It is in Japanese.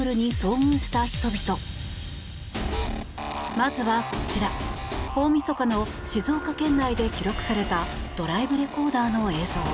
まずは、こちら大みそかの静岡県内で記録されたドライブレコーダーの映像。